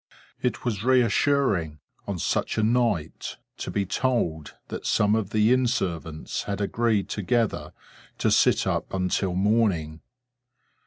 It was reassuring, on such a night, to be told that some of the inn servants had agreed together to sit up until morning.